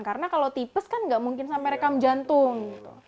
karena kalau tipes kan nggak mungkin sampai rekam jantung